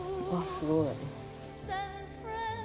すごい。